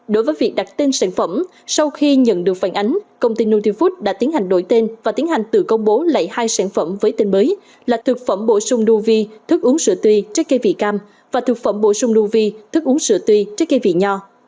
đối với việc đặt tên sản phẩm sau khi nhận được phản ánh công ty nutifood đã tiến hành đổi tên và tiến hành tự công bố lại hai sản phẩm với tên mới là thực phẩm bổ sung nuovi thức uống sữa tươi trái cây vị cam và thực phẩm bổ sung nuovi thức uống sữa tươi trái cây vị nho